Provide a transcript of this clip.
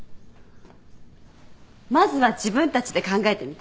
まずは自分たちで考えてみて。